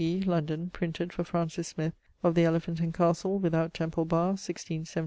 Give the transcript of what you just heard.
B.: London, printed for Francis Smith of the Elephant and Castle without Temple barre, 1671.